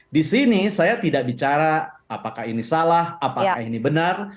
di sini saya tidak bicara apakah ini salah apakah ini benar